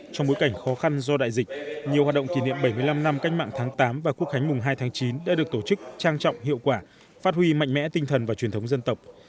trong bối cảnh khó khăn do đại dịch nhiều hoạt động kỷ niệm bảy mươi năm năm cách mạng tháng tám và quốc khánh mùng hai tháng chín đã được tổ chức trang trọng hiệu quả phát huy mạnh mẽ tinh thần và truyền thống dân tộc